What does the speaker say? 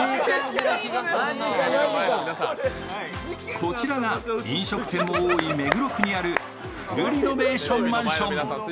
こちらが飲食店も多い目黒区にあるフルリノベーションマンション。